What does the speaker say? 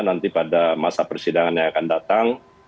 nanti pada masa persidangan yang akan datang